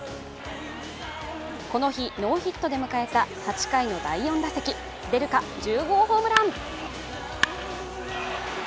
この日、ノーヒットで迎えた８回の第４打席出るか、１０号ホームラン。